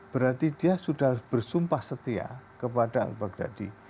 berarti dia sudah bersumpah setia kepada al baghdadi